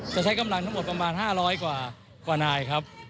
จะใช้กำลังทั้งหมดประมาณ๕๐๐กว่านายครับ